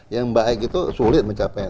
yang baik itu sulit mencapai